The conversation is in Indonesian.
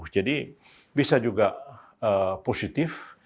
jadi bisa juga positif